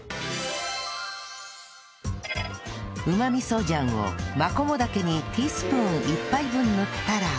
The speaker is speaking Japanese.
うま味噌醤をマコモダケにティースプーン１杯分塗ったら